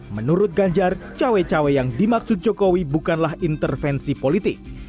menurut ganjar cawe cawe yang dimaksud jokowi bukanlah intervensi politik